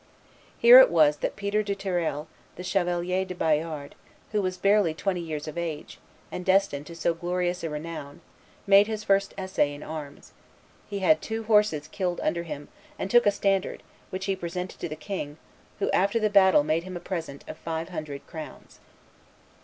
Here it was that Peter du Terrail, the Chevalier de Bayard, who was barely twenty years of age, and destined to so glorious a renown, made his first essay in arms; he had two horses killed under him, and took a standard, which he presented to the king, who after the battle made him a present of five hundred crowns.